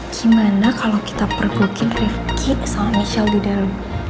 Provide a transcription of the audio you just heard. gimana kalau kita perlukan rifqi sama michelle di dalam